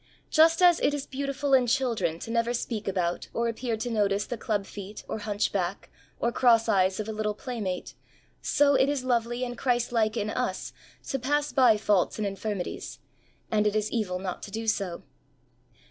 Just as it is beautiful in children to never speak about or appear to notice the club feet or hunch back or cross eyes of a little playmate, so it is lovely and Christ like in us to pass by faults and infirmities, and is evil not to do so.